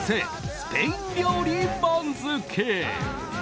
スペイン料理番付！